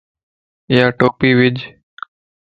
يا ٽوپي وج